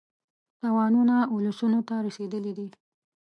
تاوانونه اولسونو ته رسېدلي دي.